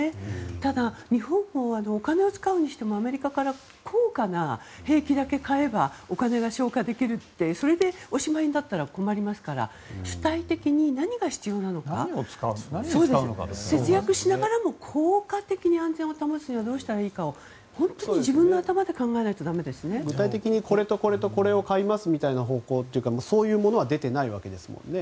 ただ、日本はお金を使うにしてもアメリカから高価な兵器だけ買えばお金が消化できてそれでおしまいになったら困りますから主体的に何が必要なのか節約しながらも効果的に安全を保つためにはどうしたらいいかを本当に自分の頭で考えないと具体的に、これとこれを買いますみたいな方向というかそういうものは出ていないわけですよね。